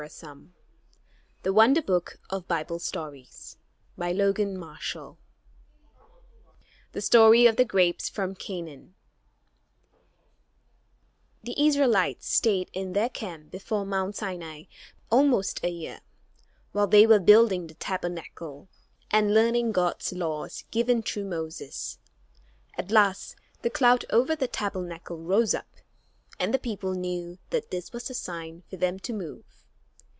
[Illustration: God fed them day by day with manna] THE STORY OF THE GRAPES FROM CANAAN The Israelites stayed in their camp before Mount Sinai almost a year, while they were building the Tabernacle and learning God's laws given through Moses. At last the cloud over the Tabernacle rose up, and the people knew that this was the sign for them to move.